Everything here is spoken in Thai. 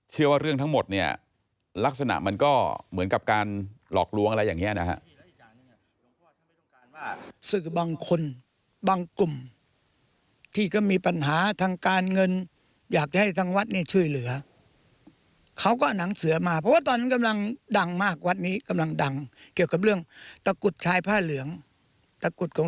เชื่อว่าเรื่องทั้งหมดเนี่ยลักษณะมันก็เหมือนกับการหลอกลวงอะไรอย่างนี้นะฮะ